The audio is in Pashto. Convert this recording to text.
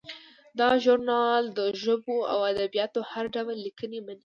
دا ژورنال د ژبو او ادبیاتو هر ډول لیکنې مني.